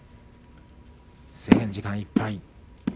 制限時間いっぱい。